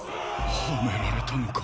⁉はめられたのか。